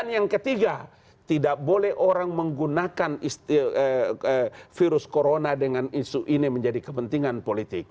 yang ketiga tidak boleh orang menggunakan virus corona dengan isu ini menjadi kepentingan politik